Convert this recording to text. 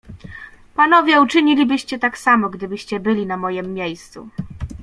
"Panowie uczynilibyście tak samo, gdybyście byli na mojem miejscu."